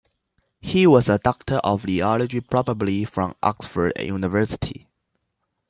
He was a Doctor of Theology, probably from Oxford University.